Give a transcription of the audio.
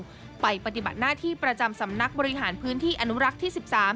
ไปปฏิบัติหน้าที่ประจำสำนักบริหารพื้นที่อนุรักษ์ที่๑๓